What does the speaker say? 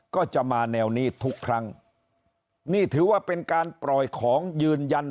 ก็จะมาแนวนี้ทุกครั้งนี่ถือว่าเป็นการปล่อยของยืนยัน